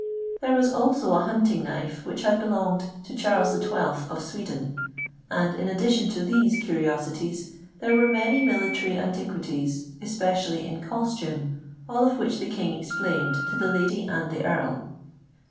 There was also a hunting knife which had belonged to Charles XII. of Sweden; and in addition to these curiosities, there were many military antiquities, especially in costume, all of which the King explained to the lady and the Earl.